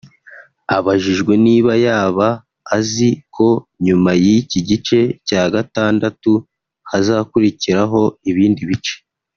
Abajijwe niba yaba azi ko nyuma y’iki gice cya gatandatu hazakurikiraho ibindi bice